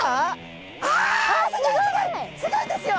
すごいですよ！